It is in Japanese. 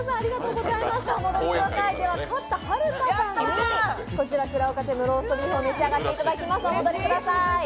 勝ったはるかさんに、くらおか亭のローストビーフを召し上がっていただきます。